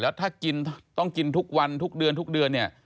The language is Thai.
แล้วถ้ากินต้องกินทุกวันทุกเดือนทุกเดือนเนี่ย